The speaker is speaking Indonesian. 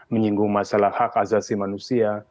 menyinggung masalah hak asasi manusia